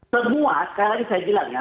semua sekali lagi saya bilang ya